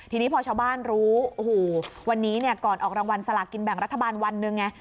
ทีนี้พอชาวบ้านรู้โอ้โหวันนี้เนี่ยก่อนออกรางวัลสลากินแบ่งรัฐบาลวันหนึ่งไง